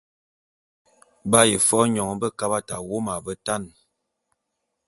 B’aye fe nyoň bekabat awom a betan.